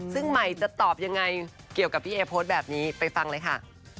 ซึ่งใหม่จะตอบยังไงเกี่ยวกับพี่เอโพสต์แบบนี้ไปฟังเลยค่ะ